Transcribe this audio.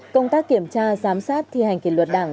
công tác kiểm tra giám sát thi hành kỷ luật đảng